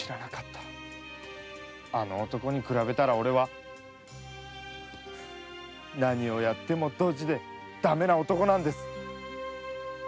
あの男に比べたらおれは何をやってもドジでダメな男なんです。